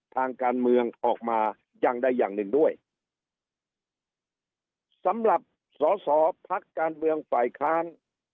ทางการเมืองออกมาอย่างใดอย่างหนึ่งด้วยสำหรับสอสอพักการเมืองฝ่ายค้าน